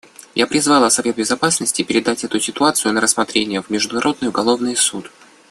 Я призвала Совет Безопасности передать эту ситуацию на рассмотрение в Международный уголовный суд.